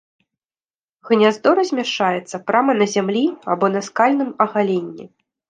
Гняздо размяшчаецца прама на зямлі або на скальным агаленні.